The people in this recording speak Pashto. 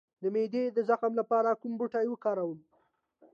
د معدې د زخم لپاره کوم بوټی وکاروم؟